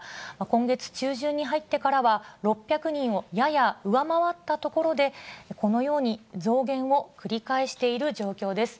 今月中旬に入ってからは、６００人をやや上回ったところで、このように増減を繰り返している状況です。